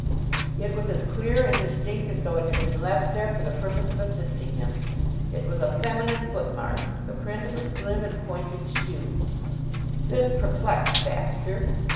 It was as clear and distinct as though it had been left there for the purpose of assisting him. It was a feminine footmark, the print of a slim and pointed shoe. This perplexed Baxter.